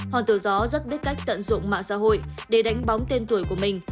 hoàng tử gió rất biết cách tận dụng mạng xã hội để đánh bóng tên tuổi của mình